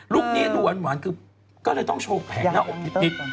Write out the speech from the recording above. ลูกนี้หวานก็เลยต้องโชว์แผงหน้าอกนิด